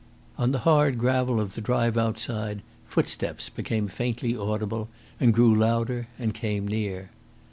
On the hard gravel of the drive outside footsteps became faintly audible, and grew louder and came near.